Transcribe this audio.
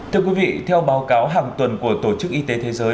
thưa quý vị theo báo cáo hàng tuần của tổ chức y tế thế giới